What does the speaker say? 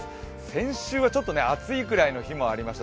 先週はちょっと暑いぐらいの日もありました。